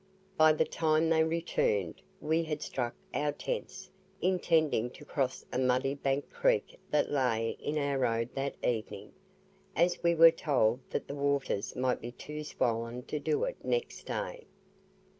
By the time they returned, we had struck our tents, intending to cross a muddy banked creek that lay in our road that evening, as we were told that the waters might be too swollen to do it next day.